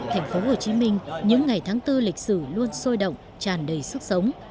thành phố hồ chí minh những ngày tháng bốn lịch sử luôn sôi động tràn đầy sức sống